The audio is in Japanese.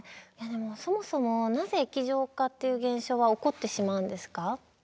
いやでもそもそもなぜ液状化っていう現象が起こってしまうんですか？